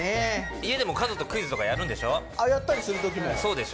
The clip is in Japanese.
家でもカズとクイズとかやるんでしょ？